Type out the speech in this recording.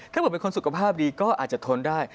ถ้าผมเป็นคนสุขภาพดีก็อาจจะทนได้